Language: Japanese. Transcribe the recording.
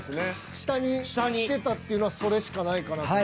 下にしてたっていうのはそれしかないかなと。